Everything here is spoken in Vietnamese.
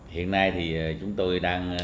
hiện nay thì chúng tôi đang